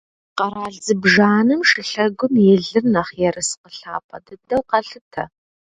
Къэрал зыбжанэм шылъэгум и лыр нэхъ ерыскъы лъапӏэ дыдэу къалъытэ.